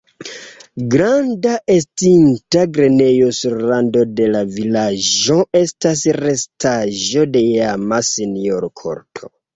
Granda estinta grenejo sur rando de la vilaĝo estas restaĵo de iama senjora korto.